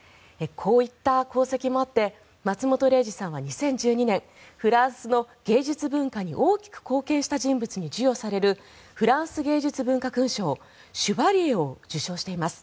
こういった功績もあって松本零士さんは２０１２年フランスの芸術・文化に大きく貢献した人物に授与されるフランス芸術文化勲章シュバリエを受章しています。